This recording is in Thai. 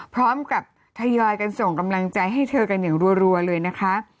พร้อมกับทยอยกันส่งกำลังใจให้เธอกันอย่างรัวเลยนะคะ